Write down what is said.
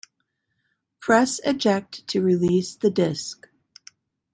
Press eject to release the disk.